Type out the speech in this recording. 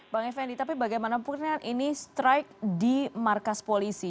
bang effendi tapi bagaimanapun ini strike di markas polisi